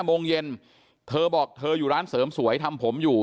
โมงเย็นเธอบอกเธออยู่ร้านเสริมสวยทำผมอยู่